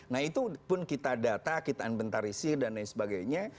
nah itu pun kita data kita inventarisir dan lain sebagainya